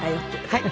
はい。